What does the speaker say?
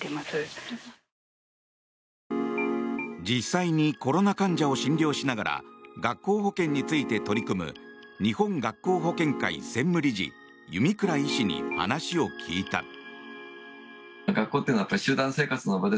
実際にコロナ患者を診療しながら学校保健について取り組む日本学校保健会専務理事弓倉医師に話を聞いた。